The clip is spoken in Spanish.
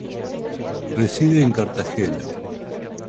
Reside en Cartagena.